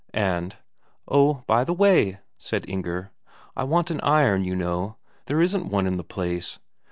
And, "Oh, by the way," said Inger, "I want an iron, you know. There isn't one in the place.